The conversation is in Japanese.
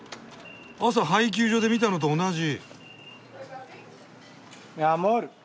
朝配給所で見たのと同じ。